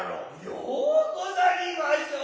ようござりませう。